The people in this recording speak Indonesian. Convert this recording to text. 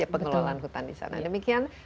pengelolaan hutan di sana demikian